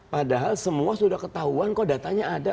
padahal semua sudah ketahuan kok datanya ada